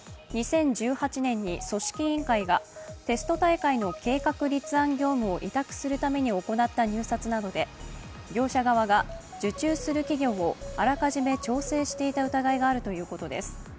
２０１８年に組織委員会がテスト大会の計画立案業務を委託するために行った入札などで業者側が受注する企業をあらかじめ調整していた疑いがあるということです。